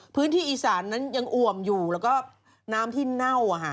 พื้นที่อีสานนั้นยังอ่วมอยู่แล้วก็น้ำที่เน่า